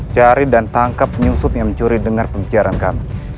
cari dan tangkap penyusup yang mencuri dengar pengsiaran kami